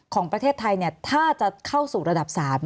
ของประเทศไทยถ้าจะเข้าสู่ระดับ๓